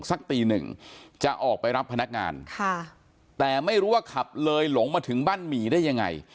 สักตีหนึ่งจะออกไปรับพนักงานค่ะแต่ไม่รู้ว่าขับเลยหลงมาถึงบ้านหมีได้ยังไง